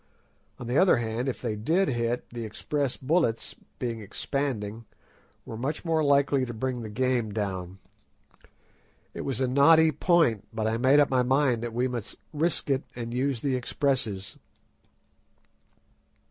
On the other hand, if they did hit, the express bullets, being "expanding," were much more likely to bring the game down. It was a knotty point, but I made up my mind that we must risk it and use the expresses.